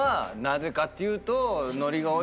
なぜかっていうと。